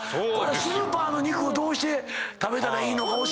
スーパーの肉をどうして食べたらいいのか教えてほしい。